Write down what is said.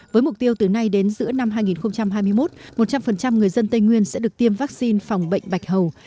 với mục tiêu từ nay đến giữa năm hai nghìn hai mươi một một trăm linh người dân tây nguyên sẽ được tiêm vaccine phòng bệnh bạch hầu